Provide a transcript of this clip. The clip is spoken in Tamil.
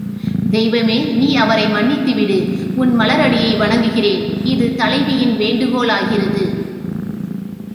தெய்வமே நீ அவரை மன்னித்துவிடு உன் மலர் அடியை வணங்குகிறேன் இது தலைவியின் வேண்டுகோள் ஆகிறது.